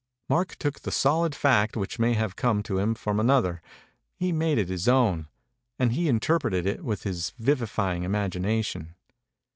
Mark took the solid fact which may have come to him from another; he made it his own; and he interpreted it with his vivifying imagination.